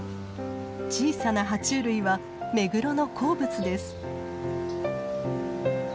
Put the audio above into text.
小さな爬虫類はメグロの好物です。